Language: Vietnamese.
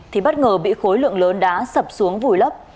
thì bất ngờ bị khối lượng lớn đá sập xuống vùi lấp